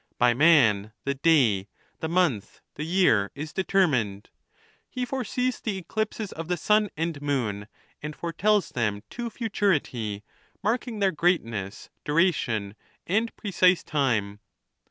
By man the day, the month, the year, is deter mined. He foresees the eclipses of the sun and moon, and foretells them to futurity, marking their greatness, dura^ tion, and precise time.